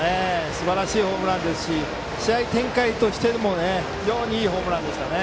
すばらしいホームランですし試合展開としても非常にいいホームランでしたね。